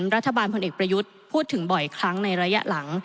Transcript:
พลเอกประยุทธ์พูดถึงบ่อยครั้งในระยะหลัง